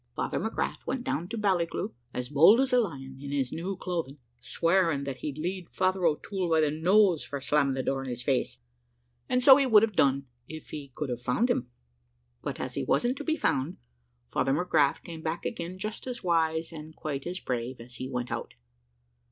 Father McGrath went down to Ballycleuch, as bold as a lion, in his new clothing, swearing that he'd lead Father O'Toole by the nose for slamming the door in his face, and so he would have done, if he could have found him; but as he wasn't to be found, Father McGrath came back again just as wise, and quite as brave, as he went out.